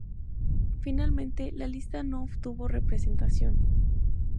Finalmente la lista no obtuvo representación.